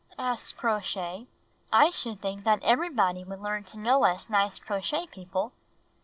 asked Crow Shay. "I should think that everybody would learn to know us nice Crochet People."